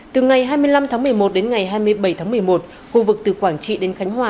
từ ngày hai mươi năm tháng một mươi một đến ngày hai mươi bảy tháng một mươi một khu vực từ quảng trị đến khánh hòa